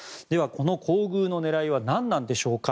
この厚遇の狙いは何なんでしょうか。